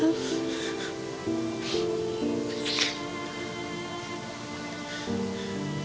nanti aku paragil takut